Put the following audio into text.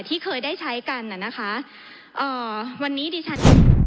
ที่เคยได้ใช้กันน่ะนะคะเอ่อวันนี้ดิฉันเอง